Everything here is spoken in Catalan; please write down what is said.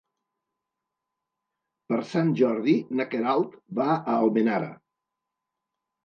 Per Sant Jordi na Queralt va a Almenara.